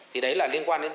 thì đấy là liên quan đến